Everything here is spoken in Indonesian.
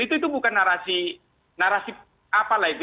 itu bukan narasi apalah itu